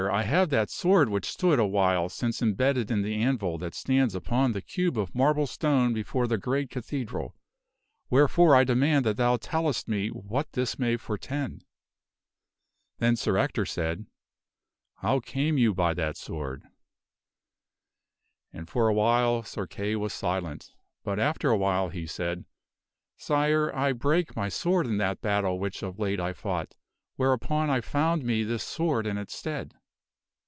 I have that sword which stood a while since embedded in the anvil that stands upon the cube of marble stone before the great cathedral. Wherefore I demand that thou tell est me what this may foretend ?" Then Sir Ector said, " How came you by that sword?" 22 THE WINNING OF KINGHOOD And for a while Sir Kay was silent, but after a while he said, "Sire, I brake my sword in that battle which of late I fought, whereupon I found me this sword in its stead."